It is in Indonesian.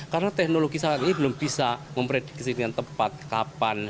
karena teknologi saat ini belum bisa memprediksi dengan tempat kapan